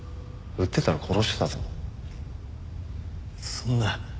そんな。